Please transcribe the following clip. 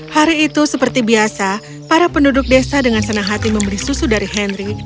hari itu seperti biasa para penduduk desa dengan senang hati membeli susu dari henry